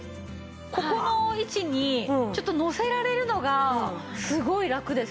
ここの位置にちょっとのせられるのがすごいラクです。